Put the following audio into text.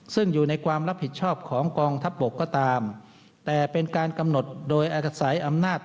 ซึ่งอยู่ในความรับผิดชอบของกองทัพบกก็ตามแต่เป็นการกำหนดโดยอาศัยอำนาจ